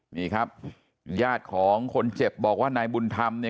นี่ครับญาติของคนเจ็บบอกว่านายบุญธรรมเนี่ย